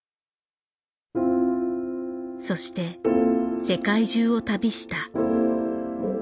そして世界中を旅した。